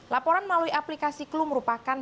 laporan melalui aplikasi clue merupakan